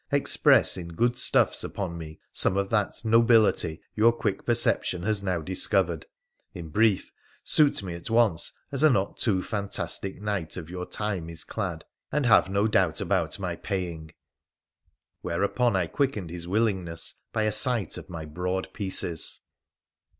Express in good stuffs upon me some of that "nobility " your quick perception has now discovered — in brief, suit me at once as a not too fantastic knight of your time is clad ; and have no doubt about my paying.' Whereon I quickened his willingness by a sight of my broad pieces.